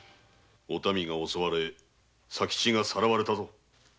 お民が襲われ佐吉がさらわれたぞ。